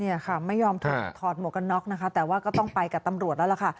เนี่ยค่ะไม่ยอมถอดหมวกกันน็อกนะคะแต่ว่าก็ต้องไปกับตำรวจแล้วล่ะค่ะ